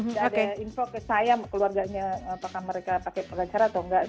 nggak ada info ke saya keluarganya apakah mereka pakai pengacara atau enggak